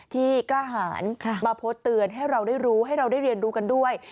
ที่กล้าหารมาโพสต์เตือนให้เราได้รู้ให้เราได้เรียนรู้กันด้วย